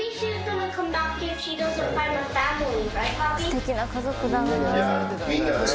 すてきな家族だな。